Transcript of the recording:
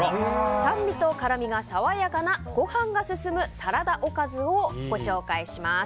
酸味と辛みが爽やかなご飯が進むサラダおかずをご紹介します。